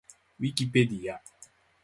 ウィキペディア